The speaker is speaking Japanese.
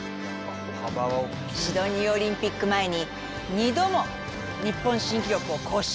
シドニーオリンピック前に２度も日本新記録を更新。